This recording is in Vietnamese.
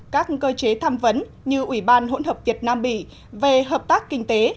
các cơ chế tham vấn như ủy ban hỗn hợp việt nam bỉ về hợp tác kinh tế